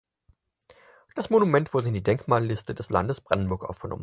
Das Monument wurde in die Denkmalliste des Landes Brandenburg aufgenommen.